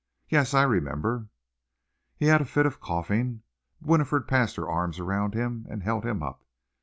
"Yes, I remember!" He had a fit of coughing. Winifred passed her arms around him and held him up.